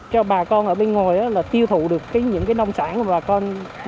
cho bà con ở bên ngoài là tiêu thụ được những cái nông sản mà bà con